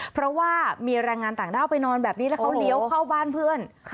เพราะว่ามีแรงงานต่างด้าวไปนอนแบบนี้แล้วเขาเลี้ยวเข้าบ้านเพื่อน